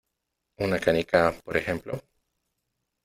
¿ una canica , por ejemplo ?